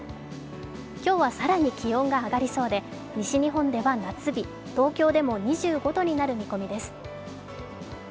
今日は更に気温が上がりそうで、西日本では夏日、東京でも２５度になる見込みです。